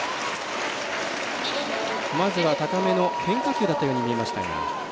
まずは高めの変化球だったように見えました。